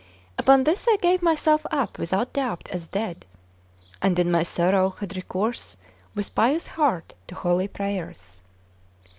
Upon this I gave myself up without doubt as dead, and in my sorrow had recourse with pious heart to holy prayers.